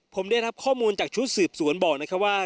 ผมได้รับข้อมูลจากชุดสืบสวนบอกนะครับว่า